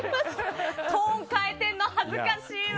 トーン変えてるの恥ずかしいわ。